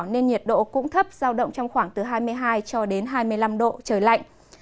nên nhiệt độ cũng thấp giao động trong khoảng từ hai mươi hai cho đến hai mươi năm độ trời lạnh